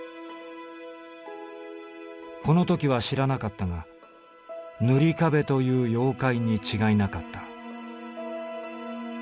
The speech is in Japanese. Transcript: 「この時は知らなかったが“ぬり壁”という妖怪に違いなかった」。